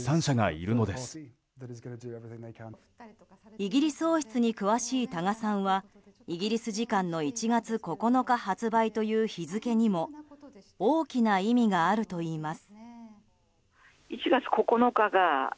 イギリス王室に詳しい多賀さんはイギリス時間の１月９日発売という日付にも大きな意味があるといいます。